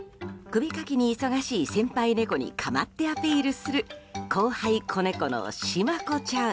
首かきに忙しい先輩猫に構ってアピールする後輩子猫の、しま子ちゃん。